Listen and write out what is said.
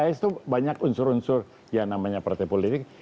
pks itu banyak unsur unsur yang namanya partai politik